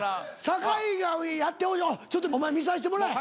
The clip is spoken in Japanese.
酒井がやってちょっとお前見させてもらえ。